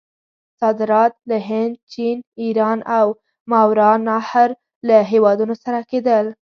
صادرات له هند، چین، ایران او ماورأ النهر له هیوادونو سره کېدل.